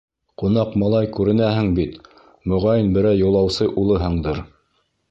Ҡунаҡ малай күренәһең бит, моғайын, берәй юлаусы улыһыңдыр...